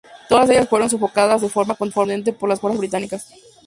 Todas ellas fueron sofocadas de forma contundente por las fuerzas británicas.